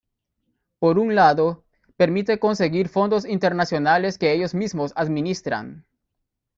Por un lado, permite conseguir fondos internacionales que ellos mismos administran.